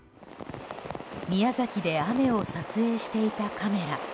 宮崎で雨を撮影していたカメラ。